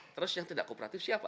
terus yang tidak kooperatif siapa